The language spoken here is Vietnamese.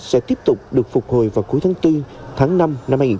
sẽ tiếp tục được phục hồi vào cuối tháng bốn tháng năm năm hai nghìn hai mươi